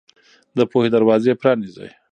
د پوهې دروازې پرانيزئ.